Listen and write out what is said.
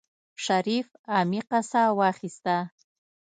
شريف عميقه سا واخيسته.